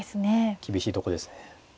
厳しいとこですね。